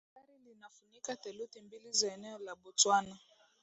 Jangwa la Kalahari linafunika theluthi mbili za eneo la Botswana